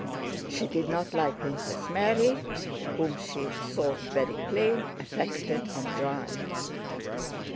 She did not like Princess Mary, whom she thought very plain, affected, and dry.